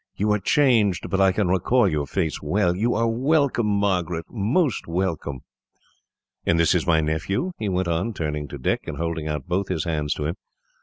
"You are changed, but I can recall your face well. You are welcome, Margaret, most welcome. "And this is my nephew?" he went on, turning to Dick, and holding out both his hands to him.